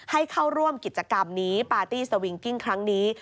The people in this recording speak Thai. ให้เข้าร่วมกิจกรรมนี้ปาร์ตี้สวิงกิ้งครั้งนี้